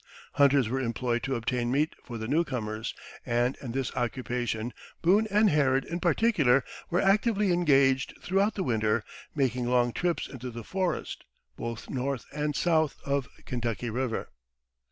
Hunters were employed to obtain meat for the newcomers; and in this occupation Boone and Harrod, in particular, were actively engaged throughout the winter, making long trips into the forest, both north and south of Kentucky River.